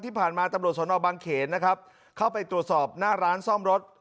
ที่ผ่านมาตำรวจสนบางเขนนะครับเข้าไปตรวจสอบหน้าร้านซ่อมรถ